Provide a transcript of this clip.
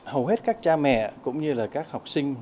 hầu hết các cha mẹ cũng như là các học sinh